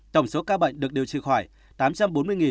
tổng số ca bệnh được điều trị khỏi tám trăm bốn mươi bốn trăm linh hai ca